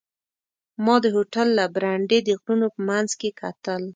ما د هوټل له برنډې د غرونو په منځ کې کتل.